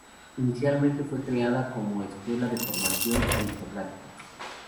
Inicialmente fue creada como escuela de formación aristocrática.